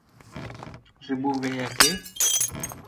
Ji bo vê yekê